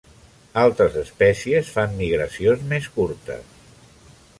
Altres espècies fan migracions més curtes.